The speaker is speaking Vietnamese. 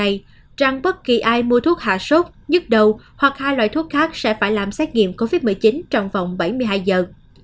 thành phố đã thông báo trong tuần này rằng bất kỳ ai mua thuốc hạ sốt nhức đầu hoặc hai loại thuốc khác sẽ phải làm xét nghiệm covid một mươi chín trong vòng bảy mươi hai giờ